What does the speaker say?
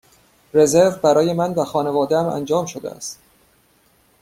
رزرو برای من و خانواده ام انجام شده است.